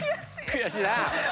悔しいな。